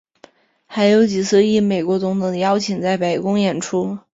还有几次应美国总统的邀请在白宫演出。